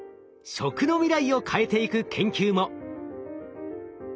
食の未来を変えていく研究も。